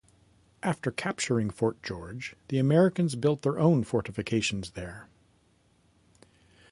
After capturing Fort George, the Americans built their own fortifications here.